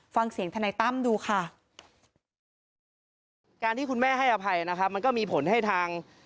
ฟังเสียงธนายตั้มดูค่ะ